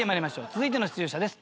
続いての出場者です。